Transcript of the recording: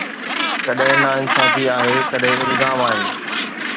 ڪڏهن ناانصافي آهي، ڪڏهن الزام آهي